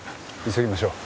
急ぎましょう。